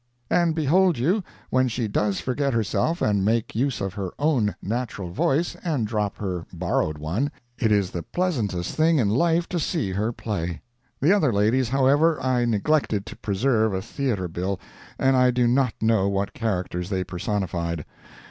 And behold you, when she does forget herself and make use of her own natural voice, and drop her borrowed one, it is the pleasantest thing in life to see her play. The other ladies—however, I neglected to preserve a theatre bill, and I do not know what characters they personified.